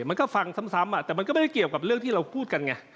มันก็ฟังซ้ำแต่มันก็ไม่ได้เกี่ยวกับเรื่องที่เราพูดกันไง